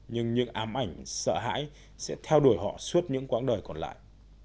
nhưng những ám ảnh sợ hãi sẽ theo đuổi họ suốt những quãng đời còn lại